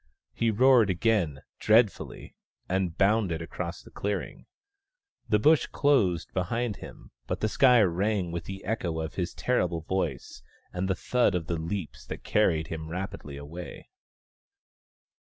He roared again, dreadfully, and bounded across the clearing. The Bush closed behind him, but the sky rang with the echo of his terrible voice and the thud of the leaps that carried him rapidly away.